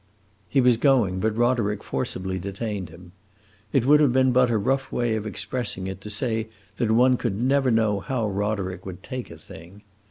He was going, but Roderick forcibly detained him. It would have been but a rough way of expressing it to say that one could never know how Roderick would take a thing.